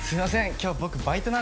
今日僕バイトなんで。